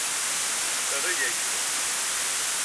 Terra-yak-t.